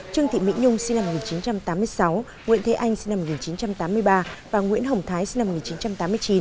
trương thị mỹ nhung sinh năm một nghìn chín trăm tám mươi sáu nguyễn thế anh sinh năm một nghìn chín trăm tám mươi ba và nguyễn hồng thái sinh năm một nghìn chín trăm tám mươi chín